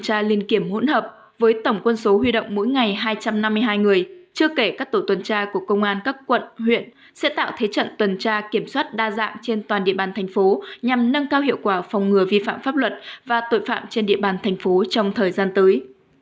tổ công tác ba mươi hai người chưa kể các tổ tuần tra của công an các quận huyện sẽ tạo thế trận tuần tra kiểm soát đa dạng trên toàn địa bàn thành phố nhằm nâng cao hiệu quả phòng ngừa vi phạm pháp luật và tội phạm trên địa bàn thành phố trong thời gian tới